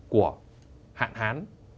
của hạn hán